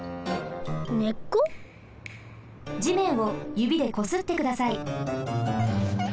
じめんをゆびでこすってください。